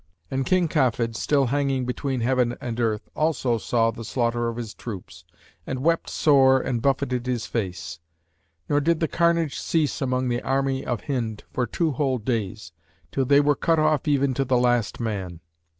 And King Kafid (still hanging between heaven and earth) also saw the slaughter of his troops and wept sore and buffeted his face; nor did the carnage cease among the army of Hind for two whole days, till they were cut off even to the last man.